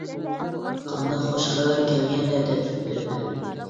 -قانداق خۇش خەۋەر؟ -كەلگەندە دەپ بېرىمەن.